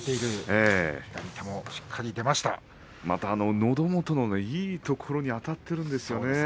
また、のど元いいところにあたっているんですよね。